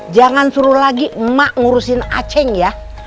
jangan suruh lagi emak ngurusin aceh ya